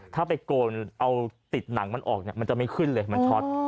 ถ้าไปโกนเอาติดหนังมันออกเนี่ยมันจะไม่ขึ้นเลยมันช็อต